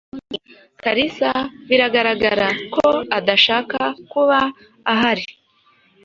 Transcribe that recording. Kalisa biragaragara ko adashaka kuba ahari.